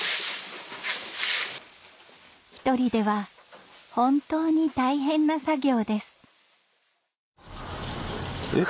１人では本当に大変な作業ですえ？